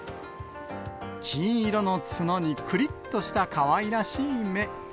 金色の角に、くりっとしたかわいらしい目。